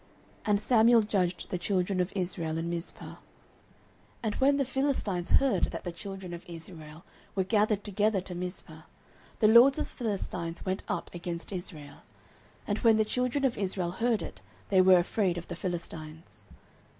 And Samuel judged the children of Israel in Mizpeh. 09:007:007 And when the Philistines heard that the children of Israel were gathered together to Mizpeh, the lords of the Philistines went up against Israel. And when the children of Israel heard it, they were afraid of the Philistines.